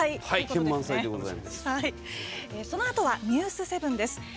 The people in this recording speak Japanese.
そのあとは「ニュース７」です。